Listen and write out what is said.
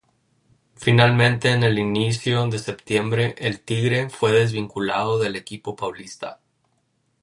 Finalmente, en el inicio de septiembre, el "Tigre" fue desvinculado del equipo paulista.